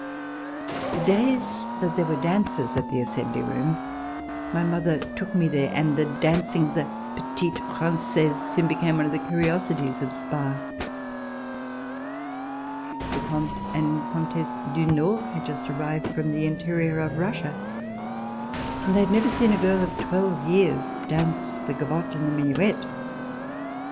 The days that there were dances at the Assembly Room, my mother took me there, and the dancing of the petite frangaise soon became one of the curiosities of Spa. The Comte and Comtesse du Nord had just ar rived from the interior of Russia, and they had never seen a girl of twelve years dance the gavotte and the minuet.